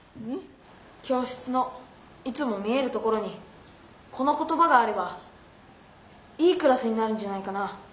教室のいつも見えるところにこの言ばがあればいいクラスになるんじゃないかな？